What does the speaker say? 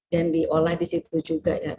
dan diolah di situ juga